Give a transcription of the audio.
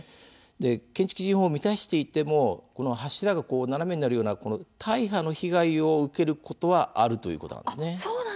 建築基準法を満たしていても柱が斜めになるような大破の被害を受けることはあるということになります。